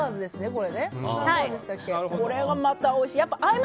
これがまたおいしい。